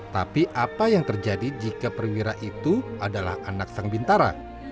tapi apa yang terjadi jika perwira itu adalah anak sang bintara